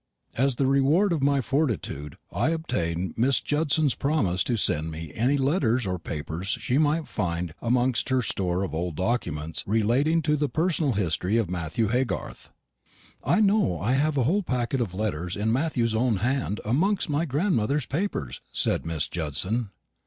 As the reward of my fortitude I obtained Miss Judson's promise to send me any letters or papers she might find amongst her store of old documents relating to the personal history of Matthew Haygarth. "I know I have a whole packet of letters in Matthew's own hand amongst my grandmother's papers," said Miss Judson.